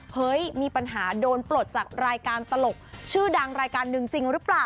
เฮ้ยมีปัญหาโดนปลดจากรายการตลกชื่อดังรายการหนึ่งจริงหรือเปล่า